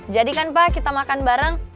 jadi kan pak kita makan bareng